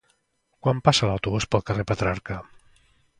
Quan passa l'autobús pel carrer Petrarca?